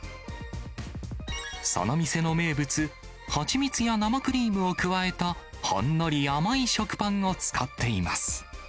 その店の名物、蜂蜜や生クリームを加えた、ほんのり甘い食パンを使っています。